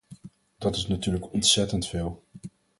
Dat is natuurlijk ontzettend veel.